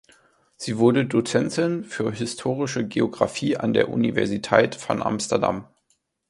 Sie wurde Dozentin für historische Geographie an der Universiteit van Amsterdam.